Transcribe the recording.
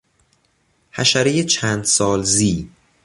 حشرهی چند سالزی